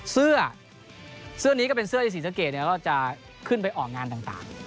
เสื้อเสื้อนี้ก็เป็นเสื้อที่ศรีสะเกดก็จะขึ้นไปออกงานต่าง